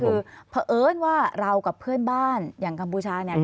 คือเพราะเอิญว่าเรากับเพื่อนบ้านอย่างกัมพูชาเนี่ย